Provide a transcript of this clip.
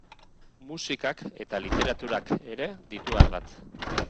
Musikak eta literaturak ere ditu ardatz.